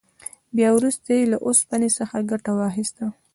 بیا وروسته یې له اوسپنې څخه ګټه واخیسته.